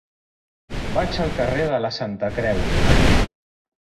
Vaig al carrer de la Santa Creu.